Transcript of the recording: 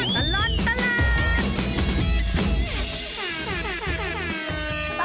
ช่วงตลอดตลาด